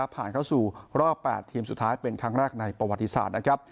ผ่านเข้าสู่รอบ๘ทีมสุดท้ายเป็นครั้งแรกในประวัติศาสตร์นะครับ